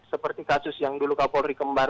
seperti kasus yang dulu kapolri kembar